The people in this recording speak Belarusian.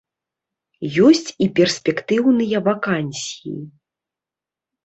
Ёсць і перспектыўныя вакансіі.